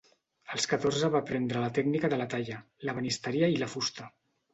Als catorze va aprendre la tècnica de la talla, l'ebenisteria i la fusta.